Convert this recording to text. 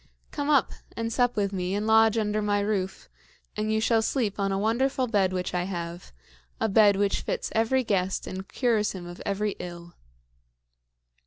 Come up, and sup with me, and lodge under my roof; and you shall sleep on a wonderful bed which I have a bed which fits every guest and cures him of every ill."